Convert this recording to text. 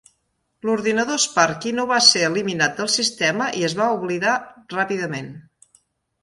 L'ordinador Sparky no va ser eliminat del sistema i es va oblidar ràpidament.